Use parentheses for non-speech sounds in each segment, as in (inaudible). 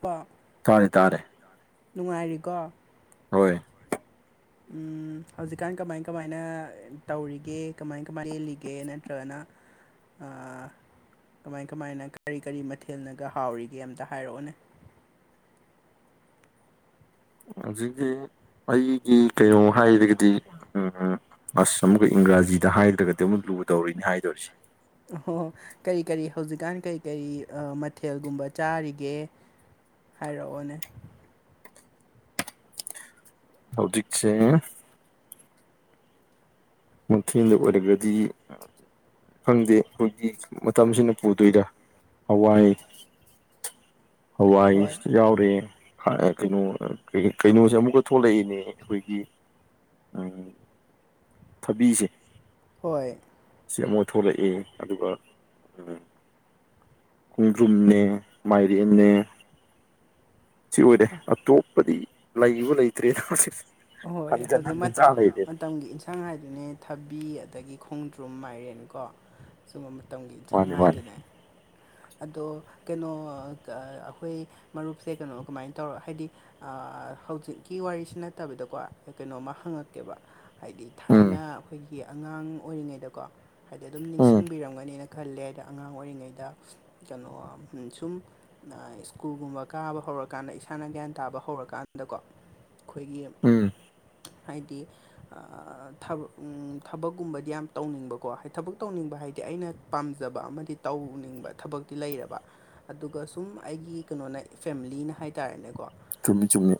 ꯄ ꯇꯥꯔꯦ ꯇꯥꯔꯦ ꯅꯨꯡꯉꯥꯏꯔꯤꯀꯣ ꯔꯣꯏ ꯎꯝ ꯍꯧꯖꯤꯛꯀꯥꯟ ꯀꯃꯥꯏ ꯀꯃꯥꯏꯅ ꯇꯧꯔꯤꯒꯦ ꯀꯃꯥꯏ ꯀꯃꯥꯏ ꯂꯦꯜꯂꯤꯒꯦ ꯅꯠꯇ꯭ꯔꯥꯒꯅ ꯑꯥ ꯀꯃꯥꯏ ꯀꯃꯥꯏꯅ ꯀꯔꯤ ꯀꯔꯤ ꯃꯊꯦꯜꯅꯒꯥ ꯍꯥꯎꯔꯤꯒꯦ ꯑꯝꯇꯥ ꯍꯥꯏꯔꯛꯑꯣꯅꯦ ꯍꯧꯖꯤꯛꯖꯦ ꯑꯩꯒꯤ ꯀꯩꯅꯣ ꯍꯥꯏꯔꯒꯥꯗꯤ ꯎꯝ ꯎꯝ ꯑꯁ ꯑꯃꯨꯛꯀꯥ ꯏꯪꯒ꯭ꯔꯥꯖꯤꯗꯥ ꯍꯥꯏꯗ꯭ꯔꯥꯒꯗꯤ ꯑꯃꯨꯛ ꯂꯨꯗꯧꯔꯤꯅꯤ ꯍꯥꯏꯗꯣꯔꯤꯁꯤ ꯑꯣꯍꯣ ꯀꯔꯤ ꯀꯔꯤ ꯍꯧꯖꯤꯛꯀꯥꯟ ꯀꯔꯤ ꯀꯔꯤ ꯑꯥ ꯃꯥꯊꯦꯜꯒꯨꯝꯕ ꯆꯥꯔꯤꯒꯦ ꯍꯥꯏꯔꯑꯣꯅꯦ ꯍꯧꯖꯤꯛꯁꯦ ꯅꯨꯡꯊꯤꯟꯗꯥ ꯑꯣꯏꯔꯒꯥꯗꯤ ꯈꯪꯗꯦ ꯑꯈꯣꯏꯒꯤ ꯃꯇꯝꯁꯤꯅ ꯄꯨꯗꯣꯏꯔꯥ ꯍꯋꯥꯏ (inaudible) ꯍꯣꯏ ꯍꯋꯥꯏꯁꯨ ꯌꯥꯎꯔꯦ ꯍꯥ ꯀꯩꯅꯣ ꯀꯩꯅꯣꯖꯦ ꯑꯃꯨꯛꯀꯥ ꯊꯣꯛꯂꯛꯏꯅꯦ ꯑꯩꯈꯣꯏꯒꯤ ꯑꯥ ꯊꯕꯤꯁꯦ ꯍꯣꯏ ꯁꯤ ꯑꯃꯣ ꯊꯣꯛꯂꯛꯑꯦ ꯑꯗꯨꯒꯥ ꯑꯥ ꯈꯣꯡꯗ꯭ꯔꯨꯝꯅꯦ ꯃꯥꯏꯔꯦꯟꯅꯦ ꯁꯤ ꯑꯣꯏꯔꯦ ꯑꯇꯣꯞꯄꯗꯤ ꯂꯩꯕꯨ ꯂꯩꯇ꯭ꯔꯦꯗ (inaudible) ꯍꯟꯖꯟ ꯍꯟꯖꯟ ꯆꯥ ꯂꯩꯔꯦ ꯇꯝꯒꯤ ꯏꯟꯁꯥꯡ ꯍꯥꯏꯗꯨꯅꯦ ꯊꯕꯤ ꯑꯗꯒꯤ ꯈꯣꯡꯗ꯭ꯔꯨꯝ ꯃꯥꯏꯔꯦꯟ ꯀꯣ ꯁꯨꯝꯕ ꯃꯇꯝꯒꯤ ꯏꯟꯁꯥꯡ ꯃꯥꯅꯤ ꯃꯥꯅꯤ ꯍꯥꯏꯗꯨꯅꯦ ꯑꯗꯣ ꯀꯩꯅꯣ ꯑꯥ ꯀꯥ ꯑꯈꯣꯏ ꯃꯔꯨꯞꯁꯦ ꯀꯩꯅꯣ ꯀꯃꯥꯏꯟ ꯇꯧꯔꯥ ꯍꯥꯏꯗꯤ ꯑꯥ ꯍꯧꯖꯤꯛꯀꯤ ꯋꯥꯔꯤꯁꯤ ꯅꯠꯇꯕꯤꯗꯀꯣ ꯀꯩꯅꯣꯝꯃ ꯍꯪꯉꯛꯀꯦꯕ ꯍꯥꯏꯗꯤ ꯎꯝ ꯊꯥꯏꯅ ꯑꯈꯣꯏꯒꯤ ꯑꯉꯥꯡ ꯑꯣꯏꯔꯤꯉꯩꯗꯀꯣ ꯍꯥꯏꯗꯤ ꯑꯗꯨꯝ ꯎꯝ ꯅꯤꯡꯁꯤꯡꯕꯤꯔꯝꯒꯅꯤꯅꯦ ꯈꯜꯂꯦ ꯗꯥ ꯑꯉꯥꯡ ꯑꯣꯏꯔꯤꯉꯩꯗ ꯀꯩꯅꯣ ꯍꯝ ꯁꯨꯝ ꯅꯥ ꯁ꯭ꯀꯨꯜꯒꯨꯝꯕ ꯀꯥꯕ ꯍꯧꯔꯀꯥꯟꯗ ꯏꯁꯥꯅ ꯒ꯭ꯌꯥꯟ ꯇꯥꯕ ꯍꯧꯔꯀꯥꯟꯗꯀꯣ ꯈꯣꯏꯒꯤ ꯎꯝ ꯍꯥꯏꯗꯤ ꯑꯥ ꯊꯕꯛ ꯎꯝ ꯊꯕꯛꯒꯨꯝꯕꯗꯤ ꯌꯥꯝ ꯇꯧꯅꯤꯡꯕꯀꯣ ꯍꯥ ꯊꯕꯛ ꯇꯧꯅꯤꯡꯕ ꯍꯥꯏꯗꯤ ꯑꯩꯅ ꯄꯥꯝꯖꯕ ꯑꯃꯥꯗꯤ ꯇꯧꯅꯤꯡꯕ ꯊꯕꯛꯇꯤ ꯂꯩꯔꯕ ꯑꯗꯨꯒꯥ ꯁꯨꯝ ꯑꯩꯒꯤ ꯀꯩꯅꯣꯅ ꯐꯦꯝꯂꯤꯅ ꯍꯥꯏꯇꯥꯔꯦꯅꯦꯀꯣ ꯆꯨꯝꯃꯤ ꯆꯨꯝꯃꯤ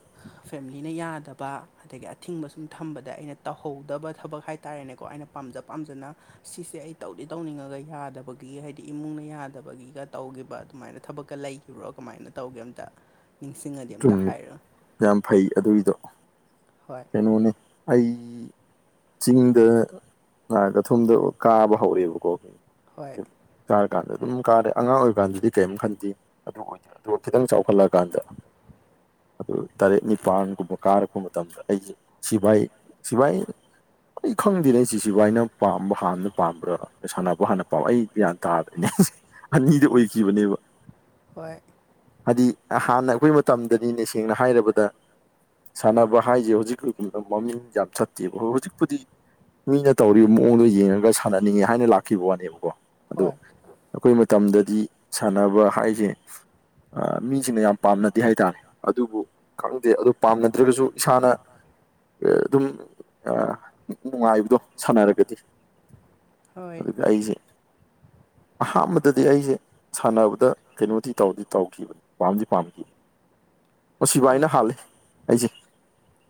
ꯐꯦꯃꯤꯂꯤꯅ ꯌꯥꯗꯕ ꯑꯗꯒꯤ ꯑꯊꯤꯡꯕ ꯁꯨꯝ ꯊꯝꯕꯗ ꯑꯩꯅ ꯇꯧꯍꯧꯗꯕ ꯊꯕꯛ ꯍꯥꯏꯇꯥꯔꯦꯅꯦꯀꯣ ꯑꯩꯅ ꯄꯥꯝꯖ ꯄꯥꯝꯖꯅ ꯁꯤꯁꯦ ꯑꯩ ꯇꯧꯗꯤ ꯇꯧꯅꯤꯡꯉꯒꯥ ꯌꯥꯗꯕꯒꯤ ꯍꯥꯏꯗꯤ ꯏꯃꯨꯡꯅ ꯌꯥ ꯕꯒꯤꯒ ꯇꯧꯒꯤꯕ ꯑꯗꯨꯃꯥꯏꯅ ꯊꯕꯛꯀ ꯂꯩꯈꯤꯕ꯭ꯔꯣ ꯀꯃꯥꯏꯅ ꯇꯧꯒꯦ ꯑꯝꯇ ꯅꯤꯡꯁꯤꯡꯉꯗꯤ ꯑꯝꯇ ꯆꯨꯝꯃꯤ ꯍꯥꯏꯔꯣ ꯌꯥꯝ ꯐꯩ ꯑꯗꯨꯒꯤꯗꯣ ꯍꯣꯏ ꯀꯩꯅꯣꯅꯤ ꯑꯩ ꯆꯤꯡꯗ ꯂꯥꯑꯒ ꯊꯨꯝꯗꯣ ꯀꯥꯕ ꯍꯧꯔꯦꯕꯀꯣ ꯍꯣꯏ ꯀꯥꯔꯀꯥꯟꯗ ꯑꯗꯨꯝ ꯀꯥꯔꯦ ꯑꯉꯥꯡ ꯑꯣꯏꯔꯤ ꯀꯥꯟꯗꯗꯤ ꯀꯦꯝ ꯈꯟꯗꯦ ꯑꯗꯨ ꯑꯣꯏꯗꯦ ꯑꯗꯨꯒ ꯈꯤꯇꯪ ꯆꯥꯎꯈꯠꯂꯛꯑ ꯀꯥꯟꯗ ꯑꯗꯨ ꯇꯔꯦꯠ ꯅꯤꯄꯥꯜ ꯒꯨꯝꯕ ꯀꯥꯔꯛꯄ ꯃꯇꯝꯗ ꯑꯩꯖꯦ ꯁꯤꯚꯥꯏ ꯁꯤꯚꯥꯏ ꯑꯩ ꯈꯪꯗꯦꯅꯦ ꯁꯤꯁꯤꯕꯥꯏꯅ ꯄꯥꯝꯕ ꯍꯥꯟꯕꯔ ꯄꯥꯝꯕ꯭ꯔꯥ ꯁꯥꯟꯅꯕ ꯍꯥꯟꯅ ꯄꯥꯝꯕ ꯑꯩ ꯒ꯭ꯌꯥꯟ ꯇꯥꯗ꯭ꯔꯦ ꯑꯅꯤꯗꯤ ꯎꯝ ꯑꯣꯏꯈꯤꯕꯅꯦꯕ꯫ ꯍꯣꯏ ꯍꯥꯏꯗꯤ ꯍꯥꯟꯅ ꯑꯈꯣꯏ ꯃꯇꯝꯗꯗꯤ ꯁꯦꯡꯅ ꯍꯥꯏꯔꯕꯗ ꯁꯥꯟꯅꯕ ꯍꯥꯏꯖꯦ ꯍꯨꯖꯤꯛ ꯃꯃꯤꯡ ꯌꯥꯝ ꯆꯠꯇꯦꯕ ꯍꯨꯖꯤꯛꯄꯨꯗꯤ ꯃꯤꯅ ꯇꯧꯔꯤ ꯃꯑꯣꯡꯗꯣ ꯌꯦꯡꯉꯒ ꯁꯥꯟꯅꯅꯤꯡꯉꯦ ꯍꯥꯏꯅ ꯂꯥꯛꯈꯤꯕ ꯋꯥꯅꯦꯕꯀꯣ ꯑꯗꯣ ꯍꯣꯏ ꯑꯈꯣꯏ ꯃꯇꯝꯗꯗꯤ ꯁꯥꯟꯅꯕ ꯍꯥꯏꯖꯦ ꯑꯥ ꯃꯤꯖꯤꯡꯅ ꯌꯥꯝ ꯄꯥꯝꯅ ꯗꯦ ꯍꯥꯏꯇꯥꯔꯦ ꯑꯗꯨꯕꯨ ꯈꯪꯗꯦ ꯑꯗꯨ ꯄꯥꯝꯅꯗ꯭ꯔꯒꯁꯨ ꯏꯁꯥꯅ ꯑ‌ꯥ ꯑꯗꯨꯝ ꯑꯥ ꯅꯨꯡꯉꯥꯏꯕꯗꯣ ꯁꯥꯟꯅꯔꯒꯗꯤ ꯍꯣꯏ ꯑꯗꯨꯒꯤ ꯑꯩꯖꯦ ꯑꯍꯥꯟꯕꯗꯗꯤ ꯑꯩꯖꯦ ꯁꯥꯟꯅꯕꯗ ꯀꯩꯅꯣꯗꯤ ꯇꯧꯗꯤ ꯇꯧꯈꯤꯕꯅꯤ ꯄꯥꯝꯗꯤ ꯄꯥꯝꯈꯤ (inaudible) ꯁꯤꯚꯥꯏꯅ ꯍꯥꯜꯂꯤ ꯑꯩꯖꯦ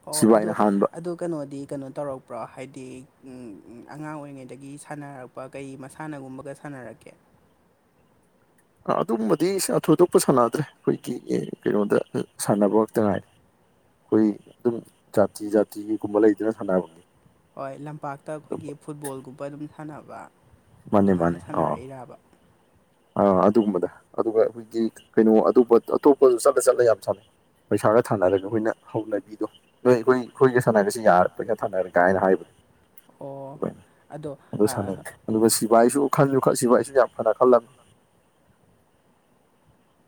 ꯑꯣ ꯑꯗꯣ ꯑꯗꯣ ꯀꯩꯅꯣꯗꯤ ꯀꯩꯅꯣ ꯇꯧꯔꯛ ꯄ꯭ꯔꯥ ꯍꯥꯏꯗꯤ ꯎꯝ ꯑꯉꯥꯡ ꯑꯣꯏꯔꯤꯉꯩꯗꯒꯤ ꯁꯥꯟꯅꯔꯛꯄ ꯀꯩ ꯃꯁꯥꯟꯅꯒꯨꯝꯕꯒ ꯁꯥꯟꯅꯔꯛꯀꯦ? ꯑꯗꯨꯒꯨꯝꯕꯗꯤ ꯊꯣꯏꯗꯣꯛꯄ ꯁꯥꯟꯅꯗ꯭ꯔꯦ ꯑꯈꯣꯏꯒꯤ ꯀꯩꯅꯣꯗ ꯁꯥꯟꯅꯕ ꯈꯛꯇ ꯉꯥꯏꯔꯦ ꯈꯣꯏꯒꯤ ꯑꯗꯨꯝ ꯖꯥꯇꯤ ꯖꯥꯇꯤꯒꯤ ꯒꯨꯝꯕ ꯂꯩꯗꯅ ꯁꯥꯟꯅꯕ ꯍꯣꯏ ꯂꯝꯄꯥꯛꯇ ꯑꯈꯣꯏꯒꯤ ꯐꯨꯠꯕꯣꯜꯒꯨꯝꯕ ꯑꯗꯨꯝ ꯁꯥꯟꯅꯕ ꯃꯥꯅꯦ ꯃꯥꯅꯦ ꯑꯗꯨꯃꯥꯏꯅ ꯑꯥ ꯁꯥꯟꯅꯔꯛꯏꯔꯕ ꯑꯥ ꯑꯗꯨꯒꯨꯝꯕꯗꯣ ꯑꯗꯨꯒ ꯑꯈꯣꯏꯒꯤ ꯀꯩꯅꯣ ꯑꯗꯨ ꯑꯇꯣꯞꯄꯁꯨ ꯆꯠꯂ ꯆꯠꯂ ꯌꯥꯝ ꯁꯥꯟꯅꯩ꯫ ꯄꯩꯁꯥꯒ ꯊꯥꯅꯔꯒ ꯑꯈꯣꯏꯅ ꯍꯧꯅꯕꯤꯗꯣ ꯅꯣꯏ ꯑꯈꯣꯏ ꯑꯈꯣꯏꯒ ꯁꯥꯟꯅꯔꯁꯤ ꯌꯥꯔ ꯄꯩꯁꯥ ꯊꯥꯅꯔ ꯀꯥꯏꯅ ꯍꯥꯏꯕ ꯑꯣ ꯑꯗꯣ ꯁꯥꯟꯅꯩ ꯑꯥ ꯑꯗꯨꯒ ꯁꯤꯕꯥꯏꯁꯨ ꯈꯟꯁꯨ ꯈꯟ ꯁꯤꯕꯥꯏꯁꯨ ꯌꯥꯝ ꯐꯅ ꯈꯜꯂꯝꯃꯤ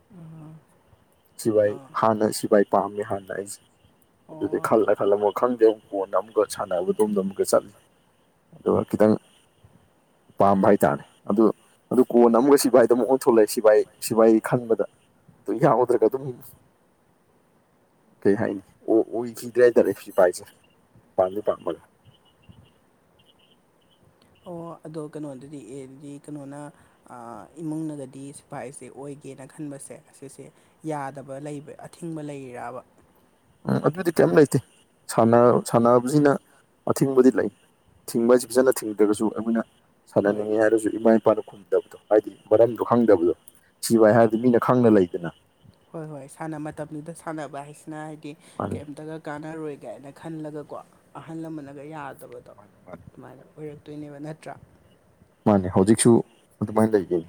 (unintelligible) ꯁꯤꯚꯥꯏ ꯑꯥ ꯍꯥꯟꯅ ꯁꯤꯚꯥꯏ ꯄꯥꯝꯃꯦ ꯍꯥꯟꯅ ꯑꯩꯁꯦ ꯑꯗꯨꯗꯤ ꯑꯣ ꯈꯜꯂ ꯈꯜꯂ ꯑꯃꯨꯛ ꯈꯪꯗꯦ ꯀꯣꯟꯅ ꯑꯃꯨꯛꯀ ꯁꯥꯟꯅꯕꯗꯣꯝꯗ ꯑꯃꯨꯛꯀ ꯆꯠꯂꯤ ꯑꯗꯨꯒ ꯈꯤꯇꯪ ꯄꯥꯝꯕ ꯍꯥꯏꯇꯥꯔꯦ ꯑꯗꯨ ꯑꯗꯨ ꯀꯣꯟꯅ ꯑꯃꯒ ꯁꯤꯚꯥꯏꯗ ꯑꯃꯨꯛ ꯊꯣꯛꯂꯛꯑꯦ ꯁꯤꯚꯥꯏ ꯁꯤꯚꯥꯏ ꯈꯟꯕꯗ ꯑꯗꯨ ꯌꯥꯎꯗ꯭ꯔꯦ (unintelligible) ꯀꯩ ꯍꯥꯏꯅꯤ ꯑꯣ ꯑꯣꯏꯈꯤꯗ꯭ꯔꯦ ꯍꯥꯏꯇꯥꯔꯦ ꯁꯤꯐꯥꯏꯁꯦ ꯄꯥꯝꯗꯤ ꯄꯥꯝꯃꯒ ꯑꯣ ꯑꯗꯣ ꯀꯩꯅꯣꯗꯗꯤ ꯑꯦꯗꯨꯗꯤ ꯀꯩꯅꯣꯅ ꯑꯥ ꯏꯃꯨꯡꯅꯒꯗꯤ ꯁꯤꯐꯥꯏꯁꯦ ꯑꯣꯏꯒꯦꯅ ꯈꯟꯕꯁꯦ ꯑꯁꯤꯁꯦ ꯌꯥꯗꯕ ꯂꯩꯕꯩ ꯑꯊꯤꯡꯕ ꯂꯩꯔꯤꯔꯕ? ꯎꯝ ꯑꯗꯨꯗꯤ ꯀꯩꯝ ꯂꯩꯇꯦ ꯁꯥꯟꯅ ꯁꯥꯟꯅꯕꯁꯤꯅ ꯑꯊꯤꯡꯕꯗꯤ ꯂꯩ꯫ ꯊꯤꯡꯕ ꯍꯥꯏꯁꯤ ꯐꯖꯅ ꯊꯤꯡꯗ꯭ꯔꯒꯁꯨ ꯑꯈꯣꯏꯅ ꯍꯣꯏ ꯁꯥꯟꯅꯅꯤꯡꯉꯤ ꯍꯥꯏꯔꯁꯨ ꯏꯃꯥ ꯏꯄꯥꯅ ꯈꯨꯝ ꯗꯕꯗꯣ ꯍꯥꯏꯗꯤ ꯃꯔꯝꯗꯣ ꯈꯪꯗꯕꯗꯣ ꯁꯤꯚꯥꯏ ꯍꯥꯏꯔꯗꯤ ꯃꯤꯅ ꯈꯪꯅ ꯂꯩꯗꯅ ꯍꯣꯏ ꯍꯣꯏ ꯁꯥꯟꯅ ꯃꯇꯝꯗꯨꯗ ꯁꯥꯟꯅꯕ ꯍꯥꯏꯁꯤꯅ ꯍꯥꯏꯗꯤ ꯃꯥꯅꯤ ꯀꯩꯝꯇꯒ ꯀꯥꯟꯅꯔꯣꯏ ꯀꯥꯏꯅ ꯈꯜꯂꯒꯀꯣ ꯑꯍꯜ ꯂꯃꯟꯅꯒ ꯌꯥꯗꯕꯗꯣ ꯃꯥꯅꯤ ꯃꯥꯅꯤ ꯑꯗꯨꯃꯥꯏꯅ ꯑꯣꯏꯔꯛꯇꯣꯏꯅꯦꯕ ꯅꯠꯇ꯭ꯔꯥ ꯃꯥꯅꯦ ꯍꯧꯖꯤꯛꯁꯨ ꯑꯗꯨꯃꯥꯏꯅ ꯂꯩꯌꯦ꯫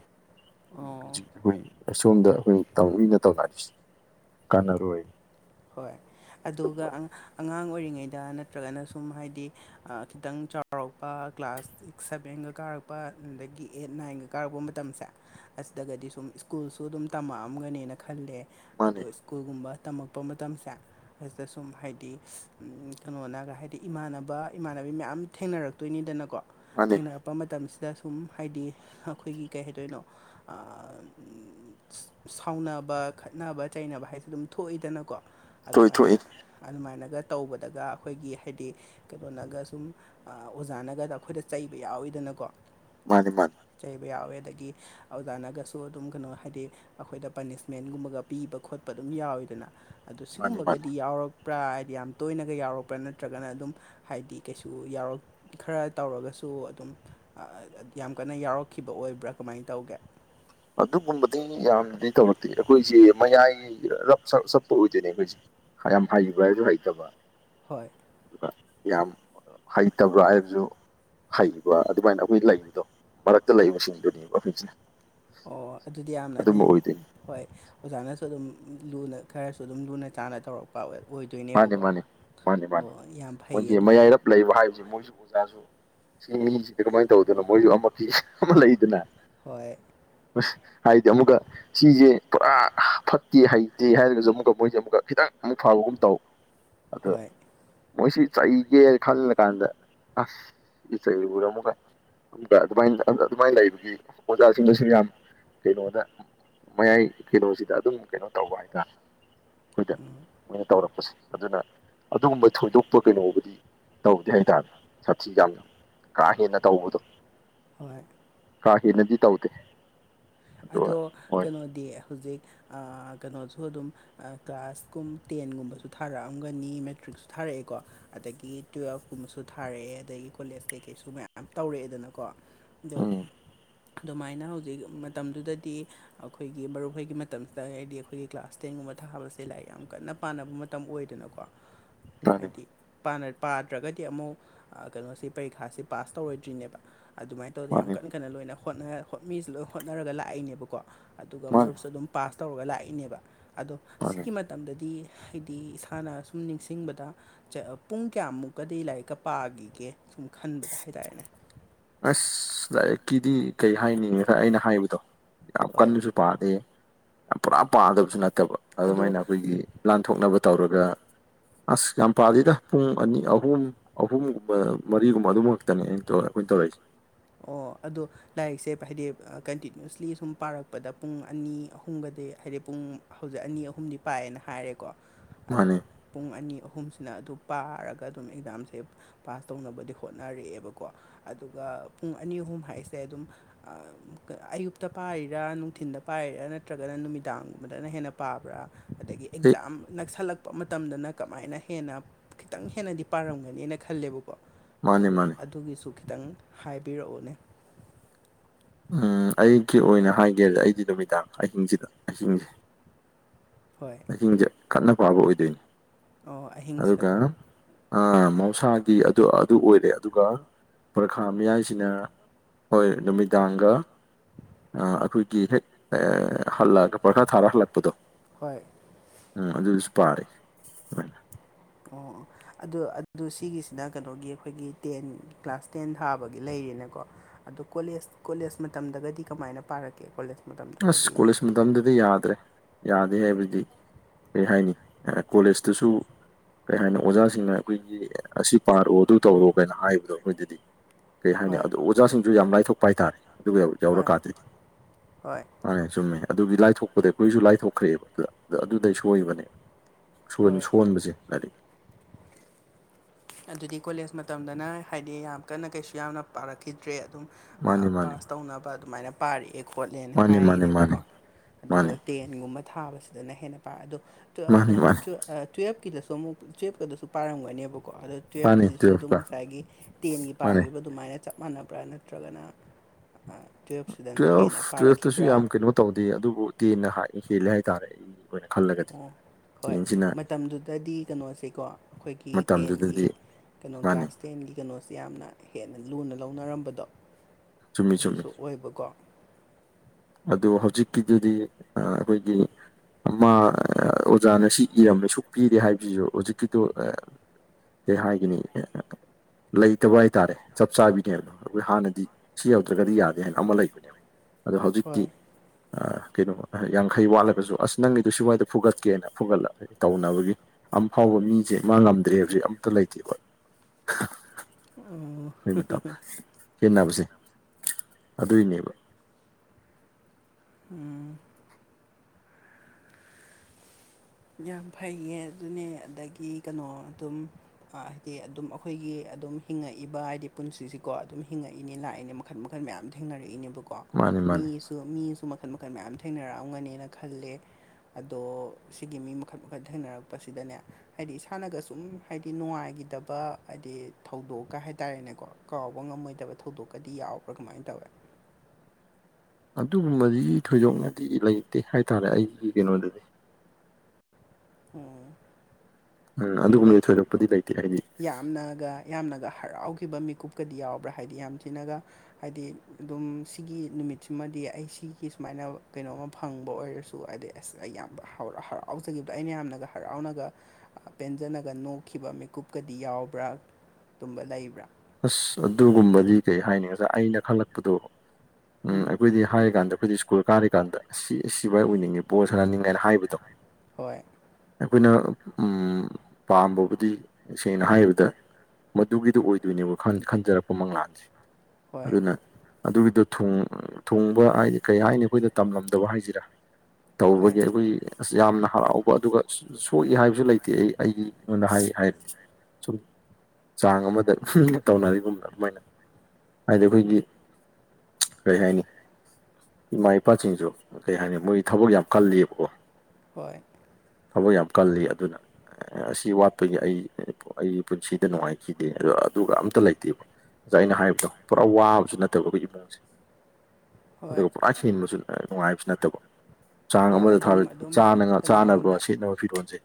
ꯑꯣ ꯍꯧꯖꯤꯛ ꯑꯈꯣꯏ ꯑꯁꯣꯝꯗ ꯑꯈꯣꯏ ꯇꯧ ꯃꯤꯅ ꯇꯧꯅꯔꯤꯁꯤ ꯀꯥꯟꯅꯔꯣꯏ ꯍꯣꯏ ꯑꯗꯨꯝꯕ ꯑꯗꯨꯒ ꯑ ꯑꯉꯥꯡ ꯑꯣꯏꯔꯤꯉꯩꯗ ꯅꯠꯇ꯭ꯔꯒꯅ ꯁꯨꯝ ꯍꯥꯏꯗꯤ ꯑꯥ ꯈꯤꯇꯪ ꯆꯥꯎꯔꯛꯄ ꯀ꯭ꯂꯥꯁ ꯁꯤꯛꯁ ꯁꯚꯦꯟꯒ ꯀꯥꯔꯛꯄ ꯑꯗꯒꯤ ꯑꯩꯠ ꯅꯥꯏꯟꯒ ꯀꯥꯔꯛꯄ ꯃꯇꯝꯁꯦ ꯑꯁꯤꯗꯒꯗꯤ ꯁꯨꯝ ꯏꯁ꯭ꯀꯨꯜꯁꯨ ꯑꯗꯨꯝ ꯇꯝꯃꯛꯑꯝꯒꯅꯤꯅ ꯈꯜꯂꯦ꯫ ꯑꯗꯣ ꯃꯥꯅꯤ ꯁ꯭ꯀꯨꯜꯒꯨꯝꯕ ꯇꯝꯃꯛꯄ ꯃꯇꯝꯁꯦ ꯍꯁꯗ ꯁꯨꯝ ꯍꯥꯏꯗꯤ ꯎꯝ ꯀꯩꯅꯣꯅꯒ ꯍꯥꯏꯗꯤ ꯏꯃꯥꯟꯅꯕ ꯏꯃꯥꯟꯅꯕꯤ ꯃꯌꯥꯝ ꯊꯦꯡꯅꯔꯛ ꯇꯣꯏꯅꯤꯗꯅꯀꯣ ꯃꯥꯅꯤ ꯊꯦꯡꯅꯔꯛ ꯄꯥ ꯃꯇꯝꯁꯤꯗ ꯁꯨꯝ ꯍꯥꯏꯗꯤ ꯑꯈꯣꯏꯒꯤ ꯀꯩ ꯍꯥꯏꯗꯣꯏꯅꯣ ꯑꯥ ꯎꯝ ꯁꯥꯎꯅꯕ ꯈꯠꯅꯕ ꯆꯩꯅꯕ ꯍꯥꯏꯁꯦ ꯑꯗꯨꯝ ꯊꯣꯛꯏꯗꯅꯀꯣ ꯊꯣꯛꯏ ꯑꯗꯨꯃꯥꯏꯅ ꯊꯣꯛꯏ ꯑꯗꯨꯃꯥꯏꯅꯒ ꯇꯧꯕꯗꯒ ꯑꯈꯣꯏꯒꯤ ꯍꯥꯏꯗꯤ ꯀꯩꯅꯣꯅꯒ ꯁꯨꯝ ꯑꯥ ꯑꯣꯖꯥꯅꯒꯗ ꯑꯩꯈꯣꯏꯗ ꯆꯩꯕ ꯌꯥꯎꯋꯤꯗꯅꯀꯣ ꯃꯥꯅꯦ ꯃꯥꯟ ꯆꯩꯕ ꯌꯥꯎꯋꯦ ꯑꯗꯒꯤ ꯑꯣꯖꯥꯅꯒꯁꯨ ꯑꯗꯨꯝ ꯀꯩꯅꯣ ꯍꯥꯏꯗꯤ ꯑꯈꯣꯏꯗ ꯄꯅꯤꯁꯃꯦꯟꯒꯨꯝꯕꯒ ꯄꯤꯕ ꯈꯣꯠꯄ ꯑꯗꯨꯝ ꯌꯥꯎꯋꯤꯗꯅ ꯑꯗꯨ ꯃꯥꯅꯤ ꯃꯥꯅꯤ ꯁꯤꯒꯨꯝꯕꯒꯗꯤ ꯌꯥꯎꯔꯛ ꯄ꯭ꯔꯥ ꯍꯥꯏꯗꯤ ꯌꯥꯝ ꯇꯣꯏꯅꯒ ꯌꯥꯎꯔꯛꯄ꯭ꯔꯥ ꯅꯠꯇ꯭ꯔꯒꯅ ꯑꯗꯨꯝ ꯍꯥꯏꯗꯤ ꯀꯩꯁꯨ ꯌꯥꯎꯔꯛ ꯈꯔ ꯇꯧꯔꯒꯁꯨ ꯑꯗꯨꯝ ꯑꯥ ꯌꯥꯝ ꯀꯟꯅ ꯌꯥꯎꯔꯛꯈꯤꯕ ꯑꯣꯏꯕ꯭ꯔꯥ ꯀꯃꯥꯏꯟ ꯇꯧꯒꯦ? ꯑꯗꯨꯒꯨꯝꯕꯗꯤ ꯌꯥꯝꯗꯤ ꯇꯧꯔꯛꯇꯦ ꯑꯩꯈꯣꯏꯖꯦ ꯃꯌꯥꯏꯒꯤ ꯔꯞ ꯁꯞ ꯁꯞ ꯄꯣ ꯑꯣꯏꯗꯣꯏꯅꯦ ꯑꯩꯖꯦ ꯍꯌꯥꯝ ꯍꯩꯕꯔꯖꯨ ꯍꯩꯇꯕ꯫ ꯍꯣꯏ ꯒ ꯌꯥꯝ ꯍꯩꯇꯕ꯭ꯔꯥ ꯍꯥꯏꯕꯖꯨ ꯍꯩꯕ ꯑꯗꯨꯃꯥꯏꯅ ꯑꯈꯣꯏ ꯂꯩꯕꯗꯣ ꯃꯔꯛꯇ ꯂꯩꯕꯁꯤꯡꯗꯨꯅꯤ ꯑꯩꯈꯣꯏꯁꯦ꯫ ꯑꯣ ꯑꯗꯨꯗꯤ ꯌꯥꯝꯅ ꯑꯗꯨꯝ ꯍꯣꯏ ꯑꯣꯖꯥꯅꯁꯨ ꯑꯗꯨꯝ ꯂꯨꯅ ꯈꯔꯁꯨ ꯑꯗꯨꯝ ꯂꯨꯅ ꯆꯥꯅ ꯇꯧꯔꯛ ꯄꯥ ꯑꯣꯏ ꯑꯣꯏꯗꯣꯏ ꯃꯥꯅꯤ ꯃꯥꯅꯤ ꯃꯥꯅꯤ ꯃꯥꯅꯤ ꯐꯩꯌꯦ ꯃꯣꯏꯖꯦ ꯑꯗꯨꯃꯥꯏꯅ ꯃꯌꯥꯏꯔꯞ ꯂꯩꯕ ꯍꯥꯏꯕꯁꯤ ꯃꯣꯏꯖꯨ (unintelligible) ꯀꯃꯥꯏ ꯇꯧꯗꯣꯅꯣ ꯃꯣꯏꯖꯨ ꯑꯃꯥꯗꯤ ꯑꯃꯥ ꯂꯩꯗꯅ ꯍꯣꯏ ꯑꯁ ꯍꯥꯏꯗꯤ ꯑꯃꯨꯛꯀ ꯁꯤꯖꯦ ꯄꯨꯔꯥ ꯍꯥ ꯐꯠꯇꯦ ꯍꯩꯇꯦ ꯍꯥꯏꯔꯒꯖꯨ ꯑꯃꯨꯛꯀ ꯃꯣꯏꯖꯦ ꯑꯃꯨꯛꯀ ꯈꯤꯇꯪ ꯑꯃꯨꯛ ꯐꯕꯒꯨꯝ ꯇꯧ ꯑꯗ ꯍꯣꯏ ꯃꯣꯏꯁꯤ ꯆꯩꯒꯦ ꯈꯜꯂꯀꯥꯟꯗ ꯑꯁ ꯁꯤ ꯆꯩꯔꯨꯕꯗ ꯑꯃꯨꯛꯀ ꯑꯗꯨꯒ ꯑꯗꯨꯃꯥꯏꯟ ꯑꯗꯨꯃꯥꯏꯟ ꯂꯩꯕꯗꯤ ꯑꯣꯖꯥꯁꯤꯡꯗꯁꯨ ꯌꯥꯝ ꯀꯩꯅꯣꯗ ꯃꯌꯥꯏ ꯀꯩꯅꯣꯁꯤꯗ ꯑꯗꯨꯝ ꯀꯩꯅꯣ ꯇꯧꯕ ꯍꯥꯏꯇꯥꯔꯦ ꯈꯣꯏꯗ ꯎꯝ ꯃꯣꯏꯅ ꯇꯧꯔꯛꯄꯁꯦ ꯑꯗꯨꯅ ꯑꯗꯨꯒꯨꯝꯕ ꯊꯣꯏꯗꯣꯛꯄ ꯀꯩꯅꯣꯕꯨꯗꯤ ꯇꯧꯗꯦ ꯍꯩꯇꯥꯝꯅꯦ ꯁꯥꯊꯤ ꯌꯥꯝ ꯀꯥ ꯍꯦꯟꯅ ꯇꯧꯕꯗꯣ ꯍꯣꯏ ꯀꯥ ꯍꯦꯟꯅꯗꯤ ꯇꯧꯗꯦ ꯑꯗꯨꯒ ꯑꯗꯣ ꯍꯣꯏ ꯀꯩꯅꯣꯗꯤ ꯍꯧꯖꯤꯛ ꯑꯥ ꯀꯩꯅꯣꯁꯨ ꯑꯗꯨꯝ ꯑꯥ ꯀ꯭ꯂꯥꯁ ꯀꯨꯝ ꯇꯦꯟꯒꯨꯝꯕꯁꯨ ꯊꯥꯔꯛꯑꯝꯒꯅꯤ ꯃꯦꯇ꯭ꯔꯤꯛꯁꯨ ꯊꯥꯔꯛꯑꯦꯀꯣ ꯑꯗꯒꯤ ꯇꯨꯋꯦꯜꯐꯀꯨꯝꯕꯁꯨ ꯊꯥꯔꯛꯑꯦ ꯑꯗꯒꯤ ꯀꯣꯂꯦꯖ ꯀꯩꯀꯩꯁꯨ ꯃꯌꯥꯝ ꯇꯧꯔꯛꯑꯦꯗꯅꯀꯣ ꯗꯣ ꯎꯝ ꯑꯗꯨꯃꯥꯏꯅ ꯍꯧꯖꯤꯛ ꯃꯇꯝꯗꯨꯗꯗꯤ ꯑꯈꯣꯏꯒꯤ ꯃꯔꯨꯞ ꯍꯣꯏꯒꯤ ꯃꯇꯝꯁꯤꯗ ꯍꯥꯏꯗꯤ ꯑꯩꯈꯣꯏꯒꯤ ꯀ꯭ꯂꯥꯁ ꯇꯦꯟꯒꯨꯝꯕ ꯊꯥꯕꯁꯦ ꯂꯥꯏꯔꯤꯛ ꯌꯥꯝ ꯀꯟꯅ ꯄꯥꯅꯕ ꯃꯇꯝ ꯑꯣꯏꯗꯅꯀꯣ ꯃꯥꯅꯤ ꯍꯥꯏꯗꯤ ꯄꯥꯅ ꯄꯥꯗ꯭ꯔꯒꯗꯤ ꯑꯃꯨꯛ ꯑꯥ ꯀꯩꯅꯣꯁꯤ ꯄꯔꯤꯈꯥꯁꯤ ꯄꯥꯁ ꯇꯧꯔꯣꯏꯗ꯭ꯔꯤꯅꯦꯕ ꯑꯗꯨꯃꯥꯏꯟ ꯇꯧꯗ ꯌꯥꯝ ꯃꯥꯅꯤ ꯀꯟ ꯀꯟꯅ ꯂꯣꯏꯅꯥ ꯍꯣꯠꯅ ꯍꯣꯠꯃꯤꯁꯨ ꯂꯣꯏ ꯍꯣꯠꯅꯔꯒ ꯂꯥꯛꯏꯅꯦꯕꯀꯣ ꯑꯗꯨꯒ ꯃꯥꯅꯤ ꯃꯔꯨꯞꯁꯨ ꯑꯗꯨꯝ ꯄꯥꯁ ꯇꯧꯔꯒ ꯂꯥꯛꯏꯅꯦꯕ ꯑꯗꯣ ꯃꯥꯅꯤ ꯁꯤꯒꯤ ꯃꯇꯝꯗꯗꯤ ꯍꯥꯏꯗꯤ ꯏꯁꯥꯅ ꯁꯨꯝ ꯅꯤꯡꯁꯤꯡꯕꯗ ꯆꯥꯑꯥ ꯄꯨꯡ ꯀꯌꯥꯃꯨꯛꯀꯗꯤ ꯂꯥꯏꯔꯤꯛꯀ ꯄꯥꯒꯤꯒꯦ ꯁꯨꯝ ꯈꯟꯕꯗ ꯍꯥꯏꯇꯥꯔꯦꯅꯦ ꯑꯁ ꯂꯥꯏꯔꯤꯛꯀꯤꯗꯤ ꯀꯩ ꯍꯥꯏꯅꯤ ꯉꯁꯥꯏ ꯑꯩꯅ ꯍꯥꯏꯕꯗꯣ ꯌꯥꯝ ꯍꯣꯏ ꯀꯟꯅꯁꯨ ꯄꯥꯗꯦ ꯌꯥꯝ ꯄꯨꯔꯥ ꯄꯥꯗꯕꯁꯨ ꯅꯠꯇꯕ ꯑꯗꯣ ꯑꯗꯨꯃꯥꯏꯅ ꯑꯩꯈꯣꯏꯒꯤ ꯂꯥꯟꯊꯣꯛꯅꯕ ꯇꯧꯔꯒ ꯑꯁ ꯌꯥꯝ ꯄꯥꯗꯦꯗ ꯄꯨꯡ ꯑꯅꯤ ꯑꯍꯨꯝ ꯑꯍꯨꯝꯒꯨꯝꯕ ꯃꯔꯤꯒꯨꯝꯕ ꯑꯗꯨꯃꯛꯇꯅꯦ ꯑꯩꯅ ꯇꯧꯔ ꯈꯣꯏꯟ ꯇꯧꯔꯛꯏꯖꯦ ꯑꯣ ꯑꯗꯣ ꯂꯥꯏꯔꯤꯛꯁꯦ ꯄ ꯍꯥꯏꯗꯤ ꯑꯥ ꯀꯟꯇꯤꯅ꯭ꯌꯨꯁꯂꯤ ꯁꯨꯝ ꯄꯥꯔꯛꯄꯗ ꯄꯨꯡ ꯑꯅꯤ ꯑꯍꯨꯝꯒꯗꯤ ꯍꯥꯏꯗꯤ ꯄꯨꯡ ꯍꯧꯖꯤꯛ ꯑꯅꯤ ꯑꯍꯨꯝꯗꯤ ꯄꯥꯏꯑꯦꯅ ꯍꯥꯏꯔꯦꯀꯣ ꯃꯥꯅꯦ ꯑꯗꯣ ꯄꯨꯡ ꯑꯅꯤ ꯑꯍꯨꯝꯁꯤꯅ ꯑꯗꯨ ꯄꯥꯔꯒ ꯑꯗꯨꯝ ꯑꯦꯛꯖꯥꯝꯁꯦ ꯄꯥꯁ ꯇꯧꯅꯕꯗꯤ ꯍꯣꯠꯅꯔ‌ꯦꯑꯦꯕꯀꯣ ꯑꯗꯨꯒ ꯄꯨꯡ ꯑꯅꯤ ꯑꯍꯨꯝ ꯍꯥꯏꯁꯦ ꯑꯗꯨꯝ ꯑ ꯑꯌꯨꯛꯇ ꯄꯥꯏꯔꯤꯔꯥ ꯅꯨꯡꯊꯤꯟꯗ ꯄꯥꯏꯔꯤꯔꯥ ꯅꯠꯇ꯭ꯔꯒꯅ ꯅꯨꯃꯤꯗꯥꯡꯒꯨꯝꯕꯗꯅ ꯍꯦꯟꯅ ꯄꯥꯕ꯭ꯔꯥ ꯑꯗꯒꯤ ꯑꯩ ꯑꯦꯛꯖꯥꯝ ꯅꯛꯁꯜꯂꯛ ꯄ ꯃꯇꯝꯗꯅ ꯀꯃꯥꯏꯅ ꯍꯦꯟꯅ ꯈꯤꯇꯪ ꯍꯦꯟꯅꯗꯤ ꯄꯥꯔꯝꯒꯅꯤꯅ ꯈꯜꯂꯦꯕꯀꯣ ꯃꯥꯅꯦ ꯑꯗ ꯃꯥꯅꯦ ꯑꯗꯨꯒꯤꯁꯨ ꯈꯤꯇꯪ ꯍꯥꯏꯕꯤꯔꯎꯅꯦ ꯎꯝ ꯑꯩꯒꯤ ꯑꯣꯏꯅ ꯍꯥꯏꯒꯦꯗ ꯑꯩꯗꯤ ꯅꯨꯃꯤꯗꯥꯡ ꯑꯍꯤꯡꯖꯤꯗ ꯑꯍꯤꯡꯖ‌ꯦ ꯍꯣꯏ ꯑꯍꯤꯡꯖ‌ꯦ ꯀꯟꯅ ꯄꯥꯕ ꯑꯣꯏꯗꯣꯏꯅꯤ ꯑꯣ ꯑꯗꯨꯒ ꯑꯍꯤꯡꯁꯤꯗꯀꯣ ꯑ ꯃꯍꯧꯁꯥꯗꯤ ꯑꯗꯨ ꯑꯗꯨ ꯑꯣꯏꯔꯦ ꯑꯗꯨꯒ ꯄ꯭ꯔꯈꯥ ꯃꯌꯥꯁꯤꯅ ꯍꯣꯏ ꯅꯨꯃꯤꯗꯥꯡꯒ ꯑꯥ ꯑꯩꯈꯣꯏꯒꯤ ꯍꯦꯛ ꯑꯦ ꯍꯜꯂꯛꯑꯒ ꯄ꯭ꯔꯈꯥ ꯊꯥꯕ ꯍꯜꯂꯛꯄꯗꯣ ꯍꯣꯏ ꯎꯝ ꯑꯗꯨꯗꯁꯨ ꯄꯥꯔꯦ ꯑꯣ ꯑꯣ ꯑꯗꯨ ꯑꯗꯨ ꯁꯤꯒꯤꯁꯤꯅ ꯀꯩꯅꯣꯒꯤ ꯑꯩꯈꯣꯏꯒꯤ ꯇꯦꯟ ꯀ꯭ꯂꯥꯁ ꯇꯦꯟ ꯊꯥꯕꯒꯤ ꯂꯩꯔꯦꯅꯀꯣ ꯑꯗꯣ ꯀꯣꯂꯦꯖ ꯀꯣꯂꯦꯖ ꯃꯇꯝꯗꯒꯗꯤ ꯀꯃꯥꯏꯅ ꯄꯥꯔꯛꯀꯦ ꯀꯣꯂꯦꯖ ꯑꯁ ꯃꯇꯝꯗꯒꯗꯤ ꯀꯣꯂꯦꯖ ꯃꯇꯝꯗꯗꯤ ꯌꯥꯗ꯭ꯔꯦ ꯌꯥꯗꯦ ꯍꯥꯏꯕꯗꯤ ꯀꯩ ꯍꯥꯏꯅꯤ ꯑ ꯀꯣꯂꯦꯖꯇꯨꯁꯨꯨ ꯀꯩ ꯍꯥꯏꯅꯣ ꯑꯣꯖꯥꯁꯤꯡꯅ ꯑꯩꯈꯣꯏꯒꯤ ꯑꯁꯤ ꯄꯥꯔꯑꯣ ꯑꯗꯨ ꯇꯧꯔꯣ ꯀꯥꯏꯅ ꯍꯥꯏꯕꯗꯣ ꯑꯩꯈꯣꯏꯗꯗꯤ ꯀꯩ ꯍꯥꯏꯅꯤ ꯍꯣꯏ ꯑꯗꯨ ꯑꯣꯖꯥꯁꯤꯡꯁꯨ ꯌꯥꯝ ꯂꯥꯏꯊꯣꯛꯄ ꯍꯥꯏꯇꯥꯔꯦ ꯑꯗꯨꯒ ꯌꯧꯔ ꯍꯣꯏ ꯀꯥꯟꯗꯗꯤ ꯍꯣꯏ ꯃꯥꯅꯦ ꯆꯨꯝꯃꯦ ꯑꯗꯨꯒꯤ ꯂꯥꯏꯊꯣꯛꯄꯗꯩ ꯑꯩꯈꯣꯏꯁꯨ ꯂꯥꯏꯊꯣꯛꯈ꯭ꯔꯦꯕ ꯑꯗꯨ ꯑꯗꯨꯗꯩ ꯁꯣꯏꯕꯅꯦ ꯁꯣꯟ ꯍꯣꯏ ꯁꯣꯟꯕꯁꯦ ꯂꯥꯏꯔꯤꯛ ꯑꯗꯨꯗꯤ ꯀꯣꯂꯦꯖ ꯃꯇꯝꯗꯅ ꯍꯥꯏꯗꯤ ꯌꯥꯝ ꯀꯟꯅ ꯀꯩꯁꯨ ꯌꯥꯝꯅ ꯄꯥꯔꯛꯈꯤꯗ꯭ꯔꯦ ꯑꯗꯨꯝ ꯑꯥ ꯃꯥꯅꯤ ꯃꯥꯅꯤ ꯄꯥꯁ ꯇꯧꯅꯕ ꯑꯗꯨꯃꯥꯏꯅ ꯄꯥꯔꯛꯑꯦ ꯈꯣꯠꯂꯦꯅ ꯃꯥꯅꯤ ꯃꯥꯅꯤ ꯃꯥꯅꯤ ꯍꯥꯏꯔꯤꯅꯦꯕꯀꯣ ꯑꯗꯨꯒ ꯃꯥꯅꯤ ꯇꯦꯟꯒꯨꯝꯕ ꯊꯥꯕꯁꯤꯗꯅ ꯍꯦꯟꯅ ꯄꯥꯏ ꯑꯗꯣ ꯇꯨ ꯃꯥꯅꯤ ꯀꯩꯅꯣꯒꯤ ꯃꯥꯅꯤ ꯇꯨ ꯑ ꯇꯨꯏꯋꯦꯞꯀꯤꯗꯁꯨ ꯑꯃꯨꯛ ꯇꯨꯏꯋꯦꯞꯀꯤꯗꯁꯨ ꯄꯥꯏꯔꯝꯒꯅꯦꯕꯀꯣ ꯑꯗꯣ ꯃꯥꯅꯤ ꯇꯨꯋꯦꯞꯀꯤꯗꯨꯁꯨ ꯑꯗꯨꯝ ꯇꯨꯌꯦꯜꯐꯀ ꯉꯁꯥꯏꯒꯤ ꯇꯦꯟꯒꯤ ꯃꯥꯅꯦ ꯄꯥꯒꯤꯕ ꯑꯗꯨꯃꯥꯏꯅ ꯆꯞ ꯃꯥꯟꯅꯕ꯭ꯔꯥ ꯅꯠꯇ꯭ꯔꯒꯅ ꯑ ꯇꯨꯋꯦꯞꯁꯤꯗꯅ ꯍꯦꯟꯅ ꯇꯨꯌꯦꯜꯐ ꯇꯨꯌꯦꯜꯐꯇꯁꯨ ꯄꯥꯔꯛꯈꯤꯕ꯭ꯔꯥ ꯌꯥꯝ ꯀꯩꯅꯣ ꯇꯧꯗꯦ ꯑꯗꯨꯕꯨ ꯇꯦꯟꯅ ꯍꯥꯟ ꯍꯦꯜꯂꯦ ꯍꯥꯏꯇꯥꯔꯦ ꯑꯩ ꯑꯣ ꯍꯣꯏ ꯃꯇꯝꯗꯨꯗꯗꯤ ꯀꯩꯅꯣꯁꯦꯀꯣ ꯑꯩꯈꯣꯏꯒꯤ ꯇꯦꯟꯒꯤ ꯃꯇꯝꯗꯨꯗꯗꯤ ꯀꯩꯅꯣ ꯃꯥꯅꯤ ꯀ꯭ꯂꯥꯁ ꯇꯦꯟꯒꯤ ꯀꯩꯅꯣꯁꯦ ꯌꯥꯝꯅ ꯍꯦꯟꯅ ꯂꯨꯅ ꯂꯧꯅꯔꯝꯕꯗꯣ ꯆꯨꯝꯃꯤ ꯆꯨꯝꯃꯤ ꯑꯗꯨꯁꯨ ꯑꯣꯏꯕꯀꯣ ꯑꯗꯨ ꯍꯧꯖꯤꯛꯀꯤꯗꯨꯗꯤ ꯑꯥ ꯑꯩꯈꯣꯏꯒꯤ ꯃꯥ ꯑꯣꯖꯥꯅ ꯁꯤ ꯏꯔꯝꯃꯦ ꯁꯨꯛꯄꯤꯔꯦ ꯍꯥꯏꯕꯁꯤꯁꯨ ꯍꯧꯖꯤꯛꯀꯤꯗꯣ ꯀꯩ ꯍꯥꯏꯒꯅꯤ (unintelligible) ꯂꯩꯇꯕ ꯍꯥꯏꯇꯥꯔꯦ ꯆꯞ ꯆꯥꯕꯤꯅꯦ ꯑꯩꯈꯣꯏ ꯍꯥꯟꯅꯗꯤ ꯁꯤ ꯌꯧꯗ꯭ꯔꯥꯒꯗꯤ ꯌꯥꯗꯦ ꯍꯥꯏꯅ ꯑꯃ ꯂꯩꯕꯅꯦꯕ ꯑꯗꯨ ꯍꯧ ꯍꯣꯏ ꯑꯥ ꯀꯩꯅꯣ ꯌꯥꯡꯈꯩ ꯋꯥꯠꯂꯒꯥꯖꯨ ꯑꯁ ꯅꯪꯒꯤꯗꯨ ꯁꯨꯋꯥꯏꯗꯥ ꯐꯨꯒꯠꯀꯦꯅ ꯐꯨꯒꯠꯂꯥ ꯇꯧꯅꯕꯒꯤ ꯑꯝ ꯐꯥꯎꯕ ꯃꯤꯖꯦ ꯃꯥ ꯉꯝꯗ꯭ꯔꯦ ꯍꯧꯖꯤꯛ ꯑꯝꯇꯥ ꯂꯩꯇꯦꯕ (unintelligible) ꯑꯩ ꯃꯇꯝ ꯈꯦꯟꯅꯕꯁꯦ ꯑꯗꯨꯏꯅꯦꯕ ꯍꯝ ꯌꯥꯝ ꯐꯩꯌꯦ ꯑꯗꯨꯅꯦ ꯑꯗꯒꯤ ꯀꯥꯅꯣ ꯑꯗꯨꯝ ꯑꯥ ꯍꯥꯏꯗꯤ ꯑꯗꯨꯝ ꯑꯈꯣꯏꯒꯤ ꯑꯗꯨꯝ ꯍꯤꯡꯉꯛꯏꯕ ꯍꯥꯏꯗꯤ ꯄꯨꯟꯁꯤꯁꯦꯀꯣ ꯑꯗꯨꯝ ꯍꯤꯡꯉꯛꯏꯅꯦ ꯂꯥꯛꯏꯅꯦ ꯈꯟ ꯃꯈꯟ ꯃꯌꯥꯝ ꯊꯦꯡꯅꯔꯛꯏꯅꯦꯕ ꯀꯣ ꯃꯥꯅꯤ ꯃꯥꯅꯤ ꯃꯤꯁꯨ ꯃꯤꯁꯨ ꯃꯈꯜ ꯃꯈꯟ ꯃꯌꯥꯝ ꯊꯦꯡꯅꯔꯛ ꯑꯝꯒꯅꯦꯅ ꯈꯜꯂꯦ ꯑꯗꯣ ꯁꯤꯒꯤ ꯃꯤ ꯃꯈꯜ ꯃꯈꯜ ꯊꯦꯡꯅꯔꯛꯄꯁꯤꯗꯅꯦ ꯍꯥꯏꯗꯤ ꯏꯁꯥꯅꯒ ꯁꯨꯝ ꯍꯥꯏꯗꯤ ꯅꯨꯡꯉꯥꯏꯒꯤꯗꯕ ꯍꯥꯏꯗꯤ ꯊꯧꯗꯣꯛꯀꯥ ꯍꯥꯏꯇꯥꯔꯦꯅꯦꯀꯣ ꯀꯥꯎꯕ ꯉꯝꯃꯣꯏꯗꯕ ꯊꯧꯗꯣꯛꯀꯥꯗꯤ ꯌꯥꯎꯕ꯭ꯔꯥ ꯀꯃꯥꯏꯟ ꯇꯧꯋꯦ ꯑꯗꯨꯒꯨꯝꯕꯗꯤ ꯊꯣꯏꯗꯣꯛꯅꯗꯤ ꯂꯩꯇꯦ ꯍꯥꯏꯇꯥꯔꯦ ꯑꯩꯒꯤ ꯀꯩꯅꯣꯗꯗꯤ ꯑꯣ ꯎꯝ ꯑꯗꯨꯒꯨꯝꯕꯗꯤ ꯊꯣꯏꯗꯛꯄꯗꯤ ꯂꯩꯇꯦ ꯍꯥꯏꯗꯤ ꯌꯥꯝꯅꯒꯥ ꯌꯥꯝꯅꯒꯥ ꯍꯔꯥꯎꯈꯤꯕ ꯃꯤꯀꯨꯞꯀꯥꯗꯤ ꯌꯥꯎꯕ꯭ꯔꯥ ꯍꯥꯏꯗꯤ ꯌꯥꯝ ꯊꯤꯅꯒꯥ ꯍꯥꯏꯗꯤ ꯑꯗꯨꯝ ꯁꯤꯒꯤ ꯅꯨꯃꯤꯠꯁꯤꯃꯗꯤ ꯑꯩ ꯁꯤꯒꯤ ꯁꯨꯃꯥꯏꯅ ꯀꯩꯅꯣꯝꯃ ꯐꯪꯕ ꯑꯣꯏꯔꯁꯨ ꯍꯥꯏꯗꯤ ꯑꯁ ꯑꯩ ꯌꯥꯝ ꯍꯥꯎꯔ ꯍꯔꯥꯎꯖꯒꯤꯕꯗꯣ ꯑꯩꯅ ꯌꯥꯝꯅꯒꯥ ꯍꯔꯥꯎꯅꯒꯥ ꯄꯦꯟꯖꯅꯒꯥ ꯅꯣꯛꯈꯤꯕ ꯃꯤꯀꯨꯞꯀꯥꯗꯤ ꯌꯥꯎꯕ꯭ꯔꯥ ꯇꯨꯝꯕ ꯂꯩꯕ꯭ꯔꯥ ꯑꯁ ꯑꯗꯨꯒꯨꯝꯕꯗꯤ ꯀꯩ ꯍꯥꯏꯅꯤ ꯉꯁꯥꯏ ꯑꯩꯅ ꯈꯪꯂꯛꯄꯗꯣ ꯎꯝ ꯑꯩꯈꯣꯏꯗꯤ ꯍꯥꯏꯔ ꯀꯥꯟꯗꯥ ꯑꯩꯈꯣꯏꯗꯤ ꯁ꯭ꯀꯨꯜ ꯀꯥꯔꯤꯀꯥꯟꯗ ꯁꯤ ꯁꯤꯚꯥꯏ ꯑꯣꯏꯅꯤꯡꯉꯤ ꯕꯣꯜ ꯁꯥꯟꯅꯅꯤꯡꯉꯦꯅ ꯍꯥꯏꯕꯗꯣ ꯍꯣꯏ ꯑꯩꯈꯣꯏꯅ ꯎꯝ ꯄꯥꯝꯕꯕꯨꯗꯤ ꯁꯦꯡꯅ ꯍꯥꯏꯕꯗꯥ ꯃꯗꯨꯒꯤꯗꯨ ꯑꯣꯏ ꯗꯨꯏꯅꯦꯕ ꯋꯥꯈꯟ ꯈꯟꯖꯥꯔꯛꯄ ꯃꯪꯂꯥꯟꯁꯦ ꯍꯣꯏ ꯑꯗꯨꯅ ꯑꯗꯨꯒꯤꯗꯣ ꯊꯨꯡ ꯊꯨꯡꯕ ꯍꯥꯏꯗꯤ ꯀꯩ ꯍꯥꯏꯅꯤ ꯑꯩꯈꯣꯏꯗꯥ ꯇꯝꯂꯝꯗꯕ ꯍꯥꯏꯖꯤꯔꯥ ꯍꯣꯏ ꯇꯧꯕꯒꯤ ꯑꯒꯨꯏ ꯑꯁ ꯌꯥꯝꯅ ꯍꯔꯥꯎꯕ ꯑꯗꯨꯒꯥ ꯁꯣꯛꯏ ꯍꯥꯏꯕꯁꯨ ꯂꯩꯇꯦ ꯑꯩ ꯑꯩꯒꯤ ꯑꯩꯉꯣꯟꯗ ꯍꯥꯏ ꯍꯥꯏꯕꯗꯤ ꯁꯨꯝ ꯆꯥꯡ ꯑꯃꯗ ꯃꯤꯅ ꯇꯧꯅꯔꯤꯕ ꯑꯗꯨꯃꯥꯏꯅ ꯍꯥꯏꯗꯤ ꯑꯩꯈꯣꯏꯒꯤ ꯀꯔꯤ ꯍꯥꯏꯅꯤ ꯏꯃꯥ ꯏꯄꯥꯁꯤꯡꯁꯨ ꯀꯩ ꯍꯥꯏꯅꯤ ꯃꯣꯏ ꯊꯕꯛ ꯌꯥꯝ ꯀꯜꯂꯤꯕꯀꯣ ꯍꯣꯏ ꯊꯕꯛ ꯌꯥꯝ ꯀꯜꯂꯤ ꯑꯗꯨꯅ ꯑꯥ ꯑꯁꯤ ꯋꯥꯠꯄꯒꯤ ꯑꯩ ꯑꯩꯒꯤ ꯄꯨꯟꯁꯤꯗꯥ ꯅꯨꯡꯉꯥꯏꯈꯤꯗꯦ ꯑꯗꯣ ꯑꯗꯨꯒꯥ ꯑꯝꯇꯥ ꯂꯩꯇꯦꯕ ꯖꯥꯏ ꯑꯩꯅ ꯍꯥꯏꯕꯗꯣ ꯄꯨꯔꯥ ꯋꯥꯕꯁꯨ ꯅꯠꯇꯦꯕ ꯑꯩꯈꯣꯏꯒꯤ ꯏꯃꯨꯡꯁꯦ ꯍꯣꯏ ꯑꯗꯨꯒꯥ ꯄꯨꯔꯥ ꯁꯤꯟꯕꯁꯨ ꯅꯨꯡꯉꯥꯏꯕꯁꯨ ꯅꯠꯇꯕ ꯆꯥꯡ ꯑꯣ ꯑꯃꯗ ꯑꯗꯨꯝ ꯊꯥꯔꯨꯏꯠ ꯑꯗꯨꯝ ꯆꯥꯅꯉꯥꯏ ꯀꯩꯅꯣꯝꯗ ꯆꯥꯅꯕ ꯁꯦꯠꯅꯕ ꯐꯤꯔꯣꯜꯖꯦ